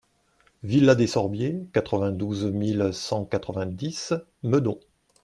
Villa des Sorbiers, quatre-vingt-douze mille cent quatre-vingt-dix Meudon